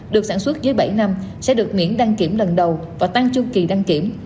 được sản xuất dưới bảy năm sẽ được miễn đăng kiểm lần đầu và tăng chu kỳ đăng kiểm